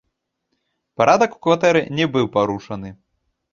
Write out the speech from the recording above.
Парадак у кватэры не быў парушаны.